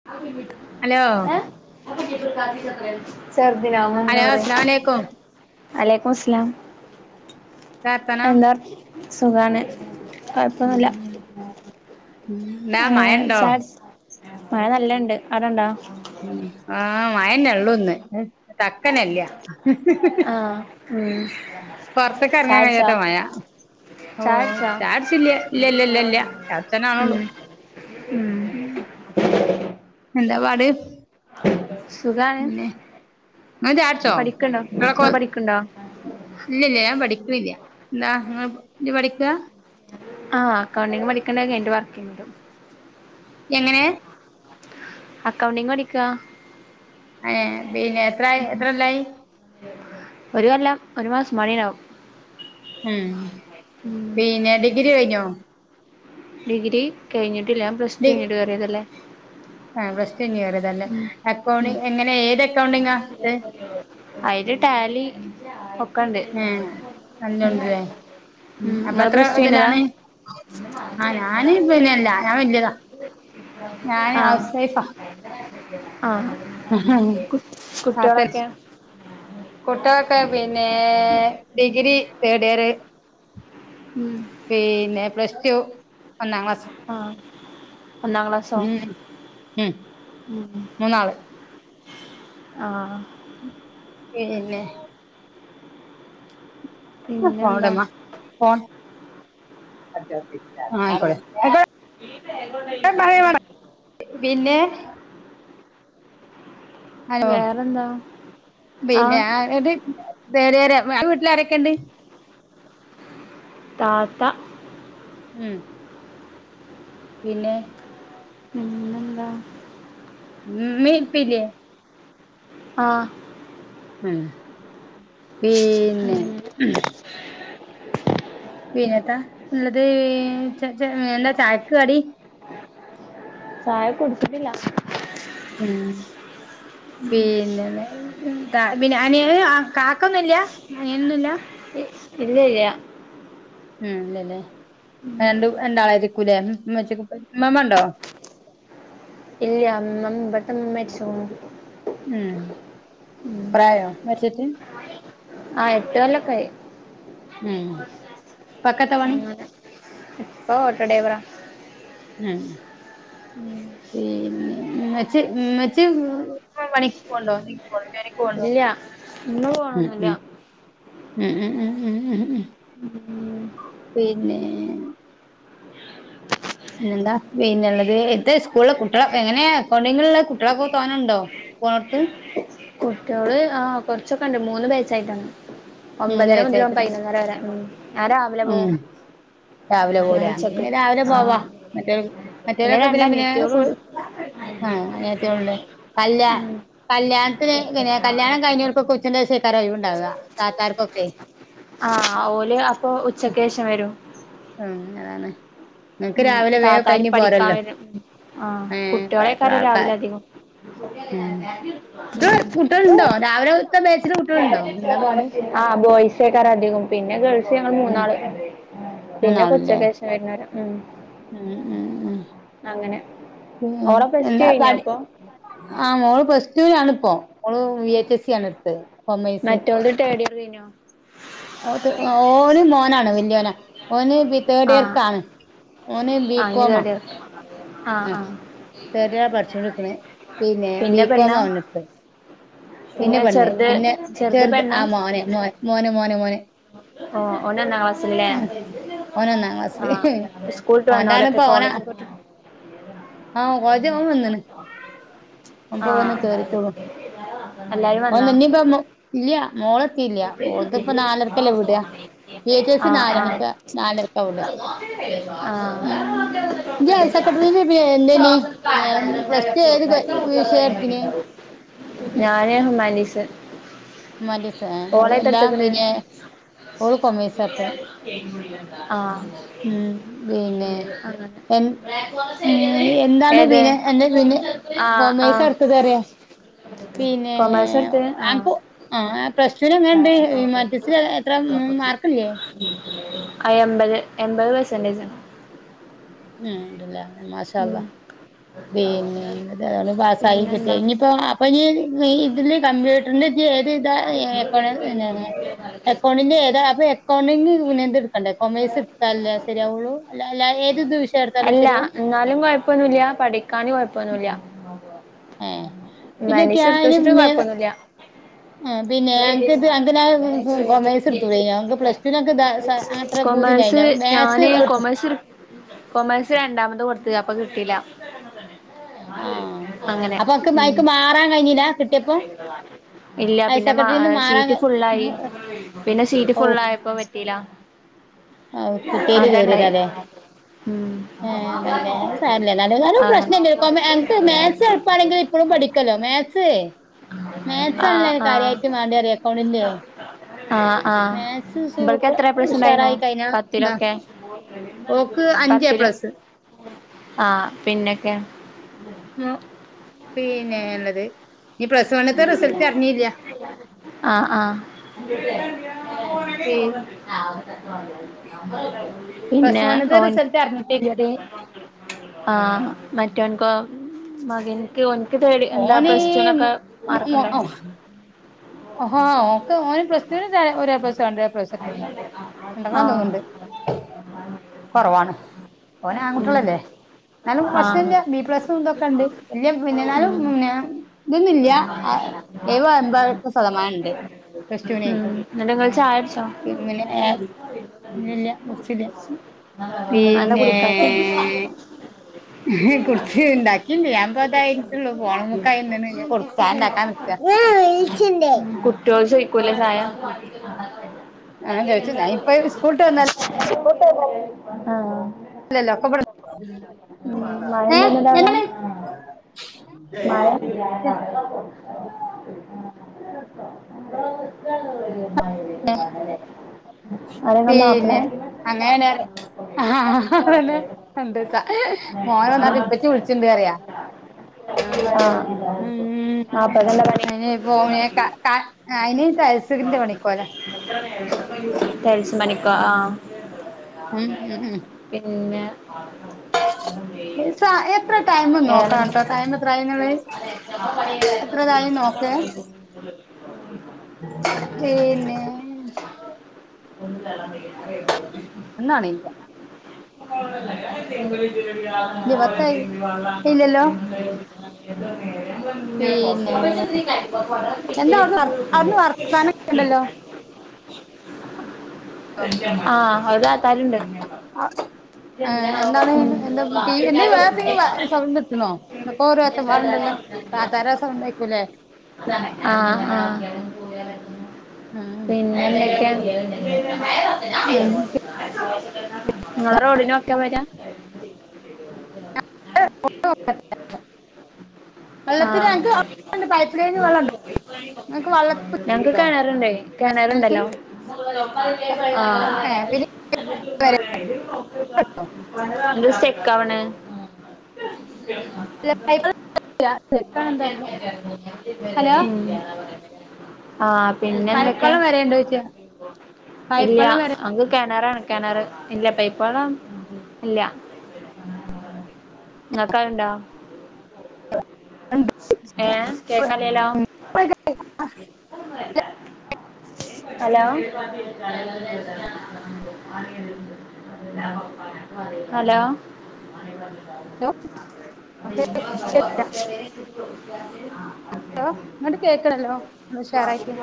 [inaudible] Hello ചെർദിനാവുംബോ എന്താ hello പറ അസ്സലാമലൈക്കും വലൈക്കും മുസ്ലാം. എന്താ വർത്താനം എന്താവർ സുഖാണ് ഉം കൊഴപ്പൊന്നുല്ല [inaudible] ഉം എന്താ അ്.. മഴണ്ടോ ചായട്ച്... മഴ നല്ലണ്ട് അടണ്ടോ? ആഹ് മഴന്നെള്ളുന്ന് തക്കന്നല്യ ഹ്ഹ്ഹ്ഹ് ആഹ് ഉം പൊർത്ത്ക്കർങ്ങാൻ ചായകുടിച്ചോ കഴിയാത്ത മഴ ഓ ചായകുടിച്ചോ ചായട്ച്ചില്യ. ഇല്യ ഇല്യ ഇല്യ ഇല്യ ചായടുച്ചാനാവ്ണള്ളൂ ഉം ഉം [inaudible] എന്താ പാട്? സുഖാണ്. പിന്നെ ഇങ്ങള് പഠിക്ക്ണ്ടോ? ങ്ങള് പഠിക്ക്ണ്ടോ? ഇല്ല്യ ല്യ ഞാൻ പഠിക്ക് ണില്യ. എന്താ ഇങ്ങ ജ് പഠിക്കാ? ആഹ് അക്കൗണ്ടിങ് പഠിക്ക്ണ് അഅ് കയ്ഞ്ഞിട്ട് വർക്കിൻ്റും എങ്ങനേ? അക്കൗണ്ടിങ് പഠിക്കാ... അ ഏ പിന്നെ എത്രായി എത്രൊല്ലായി ഒരു കൊല്ലം. ഒരു മാസുംബാടിണ്ടാവും ഉം.. പിന്നെ ഡിഗ്രി കഴിഞ്ഞോ? ഡിഗ്രി കെയ്ഞ്ഞിട്ടില്ല ഞാൻ പ്ലസ് ടു കയ്ഞിട്ട് കേറിയതല്ലേ ഏ.. പ്ലസ് ടു കയ്ഞിട്ട് കേറിതല്ലേ. ഉം അക്കൗണ്ടി ഉം എങ്ങനെ ഏത് അക്കൗണ്ടിങ്ങാട്ത്തഅ് അയ്ല് ടാലി ഒക്ക് ഉം.. ഏ നല്ലോണ്ടല്ലേ ഉം അപ്പൊ ഇങ്ങള് എത്ര പ്ലസ് ടു കയ്ഞ്ഞതാ? ഇതിലാണ് [inaudible] ആ ഞാന് പിന്നെല്ല ഞാൻ വല്യതാ ഞാന് ആഹ് ഹൗസ് വൈഫാ ആഹ് കുട്.. കുട്യോളൊക്കെ കുട്യൊളെക്കെ പിന്നെ.. ഡിഗ്രി തേഡിയറ് ഉം പീന്നെ പ്ലസ് ടു, ഒന്നാം ക്ലാസ് ആ. ഒന്നാം ക്ലാസോ. ഉം ഉം ഉം മൂന്നാള് ആഹ് പീന്നേ... [inaudible] പിന്നെന്താ ഴയ വേ പിന്നെ [inaudible] [unintelligible] അയോ. വേറെന്താ ആഹ് പിന്നെ ന്നട്ട് പെരേര അൻ്റെ വീട്ടിലാരൊക്കെണ്ട് താത്ത ഉം പിന്നെ പിന്നന്താ ഉമ് ഇമ്മി ഇപ്പി ഇല്ലേ ആഹ് ഉമ് പീന്നെ ഉം വിനത ഉള്ളത് ചാ ചാ എന്താ ചായക്ക് കടി ചായ കുടിച്ചിട്ടില്ല ഉമ് പിന്നെ ഉമ് പിന്നെ അനിയ കാക്കൊന്നും ല്ല അനിയനൊന്നും ല്ല ഇല്ല ഇല്ല ഉമ് ഇല്ല ല്ലേ ഉം രണ്ട് രണ്ടാളായിരിക്കൂലേ മ്മച്ചക്ക് ഉമാമ്മ ഉണ്ടോ [inaudible] ഇല്ലയ മമ്മ [unintelligible] ഉമ് പ്രായ വച്ചത് ആഹ് എട്ട് കൊല്ലൊക്കെ ആയി ഉം ഉപ്പക്കെത്ത പണി അങ്ങനെ ഇപ്പൊ ഓട്ടോ ഡ്രൈവറ ഞാൻ [inaudible] പിന്നെ മ്മചി മ്മചി പണിക്ക് പോണ്ടോ ക്ക് ണോ ഇല്ല ഇന്ന് ഉമ് പോണൊന്നുല്ല ഉമ് ഉമ് ഉമ് ഉമ് ഉമ് ഉമ് ഉമ് ഉമ് പിന്നെ പിന്നെന്താ പിന്നെള്ളത് ഇത്തെ സ്കൂളിലെ കുട്ടികളെ എങ്ങനെ അക്കൗണ്ടെങ്കിലുള്ള കുട്ടികളൊക്കെ തോന്നാണ്ടോ [unintelligible] കുട്ട്യാള് ആഹ് കൊറച്ചൊക്കെ ഉണ്ട് മൂന്ന് ബാച്ചായിട്ടന്ന് മൂന്ന് ഒമ്പതര മുതൽ ബാച്ചായിട്ടല്ലേ പതിനൊന്നര വരെ ഉമ് ഞാൻ രാവിലെ പോവും ഉം രാവിലെ പോലെ ഉച്ചക്ക് പിന്നെ രാവിലെ പോവാ ആഹ് മറ്റേർ മറ്റേവരൊക്കെ രണ്ട് പിന്നെ പിന്നെ അനിയത്തിയോളുണ്ട് ആഹ് അനിയത്തോള്ണ്ട് അല്ല ഉം കല്യാണത്തിന് പിന്നെ കല്യാണം കഴിഞ്ഞ് [unintelligible] ഉച്ചന്റേഷെക്കാരം ഒഴിവ് ഇണ്ടാവാ താത്താർക്കൊക്കെ ആഹ് ഓല് അപ്പൊ ഉച്ചക്കേഷം വരും ഉം അതാണ് നിങ്ങക്ക് ഉം രാവിലെ വേം താത്താര് കഴിഞ്ഞ് പഠിക്കാൻ പോരല്ലോ വരും ആഹ് ഏഹ് ഇപ്പെത്ര കുട്ട്യോളേക്കാരം രാവിലെ ആൾക്കാരെ അധികം ഉം ഇപ്പ് കുട്ട്യെള്ണ്ടോ രാവിലത്തെ ബേച്ചില് കുട്ട്യെള്ണ്ടോ എന്താ പാട് ആഹ് ബോയ്സേക്കാര അധികും പിന്നെ ഗേൾസ് ഞങ്ങൾ ഉം മൂന്നാള് പിന്നെ ക്കെ മൂന്നാളില്ലേ ഉച്ചക്കേഷം വര്ന്നോര ഉം ഉം ഉം ഉം അങ്ങനെ ഉം ഓളെ പ്ലസ് ടു എന്താ കഴിഞ്ഞോ പടി അപ്പൊ ആ മോൾ പ്ലസ് ടുലാണ്പ്പം ഓള് വി എച്ച് എസ് സി ആണ് ഇട്ത്തെ മറ്റോൾത് തേർഡ് ഇയർ കയിഞ്ഞു ഓ ത് ഓന് മോനാണ് വല്ല്യോന ഓന് പി തേർഡ് ആഹ് ഇയർക്കാണ് ഓന് ബി ആഹ് ഇനി കോമ തേർഡ് ഇയർ ആഹ് ആ ആഹ് തേഡിയറാ പഠ്ചൂണ്ട്ക്ക്ണത്. പിന്നെ ബികോം ആ ഓനുപ്പൊ പിന്നെ പെണ്ണ്. ചെറുത് പിന്നെ ചെറുത് ചെർത് ആ മോന് മോൻ മോന് മോന് മോന് ഓഹ് ഓഹ് ഓനൊന്നാം ക്ലാസ്സിൽല്ലേ ഉം ഓന് ഒന്നാം ക്ലാസ്സില് ആഹ് സ്കൂള്ട്ട് വന്നോലൊക്കെ കോളേജൊക്കെ വിട്ട് ആഹ് ഓല്ത് ഓൻ വന്ന്ണ് ഓൻപ്പ വന്ന് ആഹ് കേറീട്ടൊള്ളു [unintelligible] വന്നാ ല്ല്യാ മോളെത്തീല്ല്യാ ഓൾത്പ്പ നാലര ക്കല്ലെ വിടാ വി എ ച്ച സി ആഹ് ആഹ് നാലണിക്ക നാലര്ക്ക വിട ഉം ജ്ജ് ഹയർസെക്കന്ററിൽ പിന്നെ ന്തേനി പിന്നെ പ്ലസ്റ്റ് ഏത് ഹ്ക് വിഷയാ ട്ത്തീന്യേ ഞാന് ഹുമാൻ്റീസ് ഹുമാൻ്റീസോ ഏ അഅ് എന്താ പിന്നെ ഓള് കൊമയ്സാട്ത്തത് ആഹ് ഉം പിന്നെ അങ്ങനെ എൻ എന്താണ് ഏത് പിന്നെ എന്തെ പിന്നെ ആഹ് ആഹ് കൊമൈസാട്ത്തത് റ്യ പിന്നെ... കൊമേഴ്സ് എടുത്ത് ആഹ് അൻക്കു ആ പ്ലസ് റ്റുനെങ്ങനെണ്ട്. ഹ്യൂമാൻ്റീസ് ല്ല്യ എത്ര മാർക്ക്ല്യേ ആ എമ്പത് എമ്പപത് പെർസെന്റേജാ ഉം ണ്ട് ലേ മാഷ അള്ള.. ഉം പിന്നെ നിപതോയാലും പാസായി കിട്ട്യ പിന്നെന്താ ഇനിപ്പോ അപ്പനി ഇതില് കമ്പ്യൂട്ടറിന്റെ ഇജ് ഏത് ഇതാ എക്കൗണ്ട അല്ലെലേ... എക്കൗണ്ടിന്റെ ഏതാ അപ്പൊ എക്കൗണ്ടിങ് പിന്നെ ത് ട്ക്കണ്ടേ കൊമേഴ്സ് ട്ത്താലെല്ലേ ശര്യാവൊള്ളൂ. അല്ല അല്ല ഏത് ഇത് വിഷയം എടുത്താലും അല്ല ശരിയാവും ഇന്നാലും കൊഴപ്പൊന്നുമില്ല പഠിക്കാന് കുഴപ്പൊന്നില്ല ഏഹ് പിന്നെ ഹ്യൂമൻറ്റിസ് ടത്ത് വെച്ചിട്ട് കുഴപ്പൊന്നുല്ല ആ പിന്നെ അനക് അന്ക ന്ന കൊമേഴ്സ് എടുത്തുഡൈ നോ പ്ലസ ടുവിനക്ക് താ കൊമേഴ്സ് ഞാന് കൊമേഴ്സ് കൊമേഴ്സ് രണ്ടാമത് കൊടുത്ത അപ്പൊ കിട്ടീല്ല ആഹ അപ്പൊക്ക് ഉം അയ്ക്ക് മാറാൻ കഴിഞ്ഞില്ല കിട്ടു [unintelligible] ഇല്ല പിന്നെ മാറാൻ സീറ്റ് ഫുുള്ളായി പിന്നെ സീറ്റ് ഫുള്ള ഓഹ് ആയപ്പോ കിട്ടീല ഓഹ് കിട്ടിയേല് അതണ്ടായി കേറിയതാല്ലേ ഉ ഏഹ് തന്നെ അത് സാരല്ല എന്നാലും എന്നാലും അങ്ങനെ പ്രശ്നല്ല ഇപ്പഴും പഠിക്കല്ലോ മാക്സ് ആണല്ല ആഹ് ആഹ് കാര്യമായിട്ട് മാഡിയത്എക്കൗണ്ടിന്റെ ആഹ് ആഹ് മാക്സ് ഇബൾക്ക് സൂപ്പർ എത്ര എ പ്ലസ് ഉണ്ടായിന്നു ഉഷാറായി കഴി പത്തിലൊക്കെ ഓക്ക് അഞ്ച് എ പ്ലസ് ആഹ പിന്നൊക്കെ ആ പിന്നെള്ളത് ഇനി പ്ലസ് വണത്തെ റിസൾട്ട് അറിഞ്ഞിലാ ആ തക്ക പ്ലസ് പിന്നെ വണ്ണ്ത്തെ ഓൻ റിസൾട്ട് അറിഞ്ഞിട്ടില്ലടി ആഹ മറ്റൊൻകൊ മകൻ എനിക്ക് തേടി എന്താ ഓന് പ്രസ്റ്റൂനൊക്കെ [unintelligible] ഹ ഹ ഓന്ക്ക് ഓൻ പ്ലസ്റ്റൂവിന് ഒരു എ പ്ലസ് രണ്ട്‌ ഏപ്ലസ് ഉണ്ടായിരുന്നു രണ്ടെന്നാ ആഹ് തോന്നിണ്ട് കൊറവാണ് ഓൽ ആൺ കുട്ടികൾ ഉം അല്ലെ എന്നാലും പ്രശ്നം ആഹ് ഇല്ല ബി പ്ലസ് എന്തൊക്കെ ഉണ്ട് വല് പിന്നെ ഉം എന്നാലും ഉം മ ഇതൊന്ന ഇല്ലഎഴു പത് എമ്പത്ത ശതമാനം ഉണ്ട് പ്ലസ്റ്റൂവിനെ എന്നിട്ട് ഇങ്ങള് ചായ കുടിച്ചോ പി പിന്നെ ഏ ഇല്ല ഇല്ല മുറിച്ചീല്ല ഉം അതെന്താ പിന്നേ കുടിക്കാത്തെ ഏ ഏ കുടിച്ചി ഇന്താകീല പം ഇതാ യിട്ടൊള്ളു [unintelligible] കുട്ടികൾ ചോയിക്കൂലേ ചായ ആ ചോദിച്ചു ഞാൻ ഇപ്പൊ സ്കൂളിട്ട് [unintelligible] ട്ട ആഹ അല്ലല്ല ഒക്ക മഴ ഏ ഇണ്ടോ ഇന്നിട്ട് എതാണ് അവിടെ മഴ ഇല്ലാണ്ടാണ് ഏ, [unintelligible] ആരെങ്ങ പിന്നെ മാപ്പിളെ അങ്ങനന്ന ആ അ കണ്ട് മോൻ വന്നാട്ട ഇപ്പച്ചി വിളിച്ചിണ്ട് പറിയ ആ അത ഉ അ പോ അയിന് ക ക ടൈൽ സിന്റെ പണിക്കോല്ലെ എത്ര മണി ആയി ടൈൽസ് പണിക്കോ ഉം ഉം ഉം പിന്നെ വേറെ റൈനളേയ്സ് [unintelligible] പിന്നെ [unintelligible] ഒന്നാണ ഇല്ല [unintelligible] ഇരുപത്തായി ഇല്ലല്ലോ [inaudible] പിന്നെ എന്താ അവിടുന്ന് വർ അവിടുന്ന് വർത്താനൊക്കെ [inaudible] [inaudible] ആഹ് അതാ [unintelligible] ഏഹ് എന്താണ് എന്താ ടീവി എന്തേം വേറെത്തെങ്കിലും സൗണ്ട് ഇട്ട്നോ എന്തൊക്കൊര് ഒച്ച പാട്ണ്ടല്ലോ താത്താരെ സൗണ്ടെകുലേ ആഹ് ആഹ് ഉം പിന്നെ എന്തൊക്കെയ ഉം നിങ്ങളെ റോഡിന് വക്കാ വെരാ [inaudible] വെള്ളത്തിന് ആഹ്.... അനക്ക് പൈപ്പ് ലൈനിൽ വെള്ളണ്ടോ നിങ്ങക്ക് വെള്ള ഞങ്ങക്ക് ണ്ടോ കേണറ്ണ്ടേയ് വേനൽക്ക് കേണറ്ണ്ടല്ലോ ആഹ് ഏഹ് പിന്നെ എന്ത് സ്റ്റെക്കാവ്ണ് അല്ല [unintelligible] [inaudible] ഹലോ മം ആഹ് പിന്നെ എന്തൊക്കെ പൈപ്പള്ളം വരെയുണ്ടോ ചോദിച്ചാ ഇല്ല്യ പൈപ്പള്ളം വരെ അങ്ങക്ക് കേണറാണ് കേണർഇല്ല പൈപള്ളം ഇല്ല നിങ്ങത്ണ്ടാ ഉണ്ട് ഏഹ് കേക്കാലെലോ ഹലോ ഹലോ.. ഹലോ.. [unintelligible] [inaudible] ഹലോ ഇങ്ങോട്ട് കേക്കണല്ലോ ഉഷാറായിട്ട്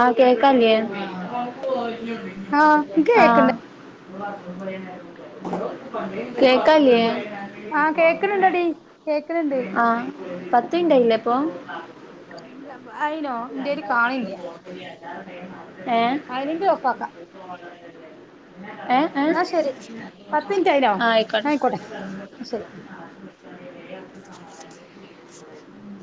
ആഹ് കേക്കല്ലേ ആഹ് എനിക്ക് ആഹ് കേക്കണ്ട് കേക്കാ ല്ല്യെ ആഹ് കേക്ക്ണ്ണ്ടടീ ആഹ് പത്ത് മിനിറ്റ്യില്ലേ ഇപ്പൊ അയിനോ എന്റെല് കാണില്ല ഏഹ് സൈലന്റ് ഓഫ് ആക്കാം [unintelligible] ഏഹ് ഏ ആഹ് എന്നാ ശരി ആയിക്കോട്ടെ ന്നാ ശരി [inaudible]